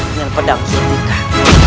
dengan pedang zulfikar